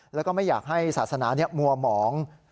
แล้วก็ไม่อยากให้ศาสนามัวหมอง